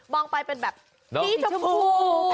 องไปเป็นแบบสีชมพู